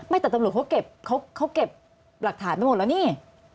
ไม่แต่ตำรุเขาเก็บหลักฐานไปหมดแล้วนี่